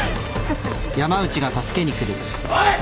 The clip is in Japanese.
おい！